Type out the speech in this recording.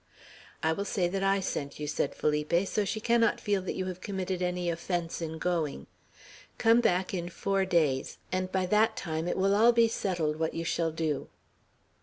"I will say that I sent you," said Felipe, "so she cannot feel that you have committed any offence in going. Come back in four days, and by that time it will be all settled what you shall do."